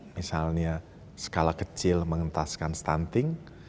misalnya skala kecil mengentaskan stunting